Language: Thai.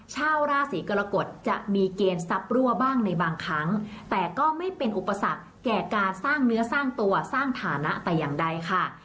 ชาวราศีกรกฎจะมีเกณฑ์ทรัพย์รั่วบ้างในบางครั้งแต่ก็ไม่เป็นอุปสรรคแก่การสร้างเนื้อสร้างตัวสร้างฐานะแต่อย่างใดค่ะ